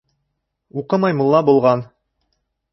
Уҡымай мулла булған